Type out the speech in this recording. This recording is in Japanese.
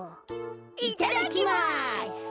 いただきます。